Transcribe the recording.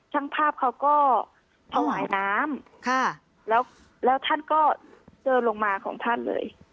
ช่างภาพเขาก็ถวายน้ำแล้วแล้วท่านก็เจอลงมาของท่านเลย